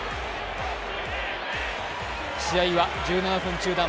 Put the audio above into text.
試合は１７分中断。